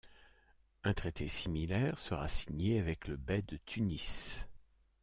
Un traité similaire sera signé avec le bey de Tunis.